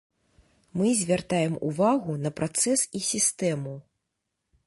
Мы звяртаем увагу на працэс і сістэму.